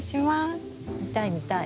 見たい見たい。